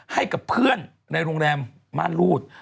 ให้กับเพื่อนในโรงแรมม่านรูด